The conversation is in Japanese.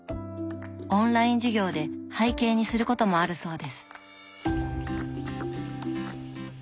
オンライン授業で背景にすることもあるそうです。